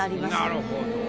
なるほど。